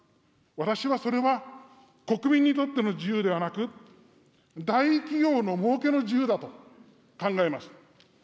私はそれは国民にとっての自由ではなく、大企業のもうけの自由だと考えます。